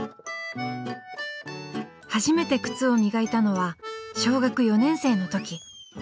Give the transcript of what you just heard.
初めて靴を磨いたのは小学４年生の時。